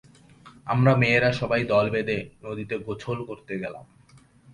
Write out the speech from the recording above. আমরা মেয়েরা সবাই দল বেঁধে নদীতে গোসল করতে গেলাম।